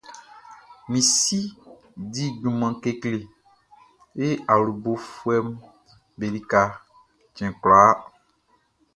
Min si di junman kekle e awlobofuɛʼm be lika cɛn kwlakwla.